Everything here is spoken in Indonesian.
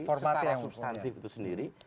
secara substantif itu sendiri